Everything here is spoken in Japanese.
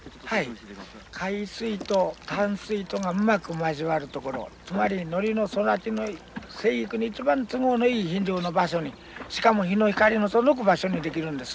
はい海水と淡水とがうまく交わる所つまりノリの育ちの生育に一番都合のいい場所にしかも日の光の届く場所に出来るんですね。